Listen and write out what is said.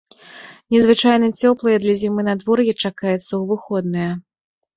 Незвычайна цёплае для зімы надвор'е чакаецца ў выходныя.